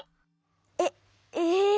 えっえ？